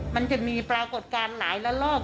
มันจะมีปรากฏการณ์หลายละลอก